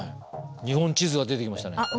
日本地図が出てきましたね。